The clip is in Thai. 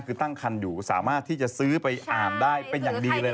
คือตั้งคันอยู่สามารถที่จะซื้อไปอ่านได้เป็นอย่างดีเลย